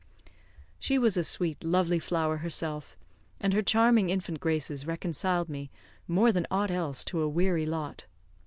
She was a sweet, lovely flower herself, and her charming infant graces reconciled me, more than aught else, to a weary lot.